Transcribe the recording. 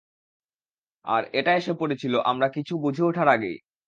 আর এটা এসে পড়েছিল আমরা কিছু বুঝে ওঠার আগেই।